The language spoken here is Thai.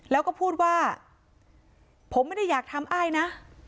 แล้วก็พูดว่าผมไม่ได้อยากทำอ้ายนะ